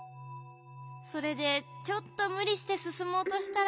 それでちょっとむりしてすすもうとしたら。